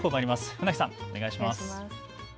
船木さんお願いします。